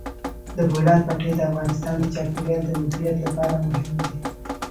د بولان پټي د افغانستان د چاپیریال د مدیریت لپاره مهم دي.